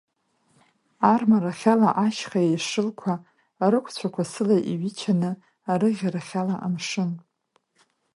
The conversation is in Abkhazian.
Армарахьала ашьха еишьылқәа, рықәцәақәа сыла иҩычаны, арыӷьарахьала амшын.